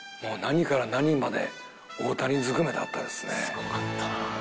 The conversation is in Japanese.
「すごかったな」